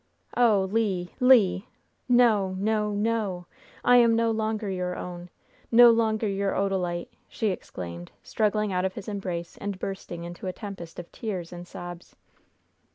"Oh, Le, Le! No, no, no! I am no longer your own! No longer your Odalite," she exclaimed, struggling out of his embrace, and bursting into a tempest of tears and sobs.